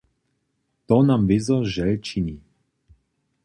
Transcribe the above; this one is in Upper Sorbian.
To nam wězo žel čini.